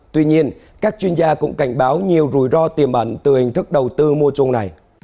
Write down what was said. tuy nhiên các chuyên gia cũng cảnh báo nhiều rủi ro tiềm ẩn từ hình thức đầu tư mua chung này